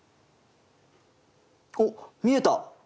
おっ見えた。